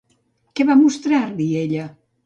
Què va mostrar-li, ella?